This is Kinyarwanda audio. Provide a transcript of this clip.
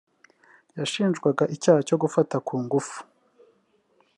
yashinjwaga icyaha cyo gufata ku ngufu